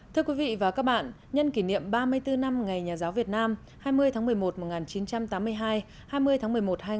thưa quý vị và các bạn nhân kỷ niệm ba mươi bốn năm ngày nhà giáo việt nam hai mươi tháng một mươi một một nghìn chín trăm tám mươi hai hai mươi tháng một mươi một hai nghìn một mươi